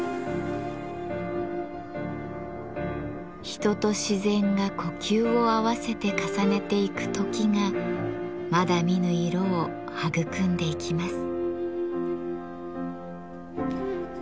人と自然が呼吸を合わせて重ねていく「時」がまだ見ぬ色を育んでいきます。